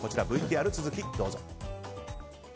ＶＴＲ、続きをどうぞ。